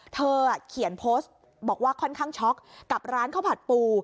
เธอเขียนโพสต์บอกว่าค่อนข้างช็อกกับร้านข้าวผัดปู